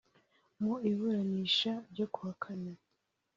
Mu iburanisha ryo kuwa Kane